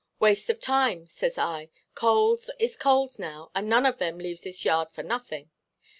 'Waste of time,' says I; 'coals is coals now, and none of them leaves this yard for nothing.